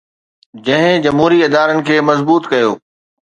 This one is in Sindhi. جنهن جمهوري ادارن کي مضبوط ڪيو